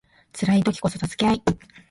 辛い時こそ助け合い